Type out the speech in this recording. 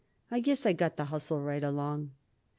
"I guess I got to hustle right along."